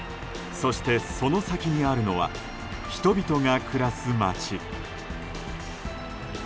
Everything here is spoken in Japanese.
そして、その先にあるのは人々が暮らす町。